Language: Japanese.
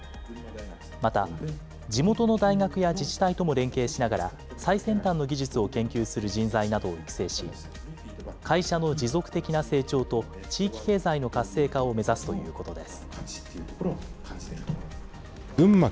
また地元の大学や自治体とも連携しながら最先端の技術を研究する人材などを育成し、会社の持続的な成長と地域経済の活性化を目指すということです。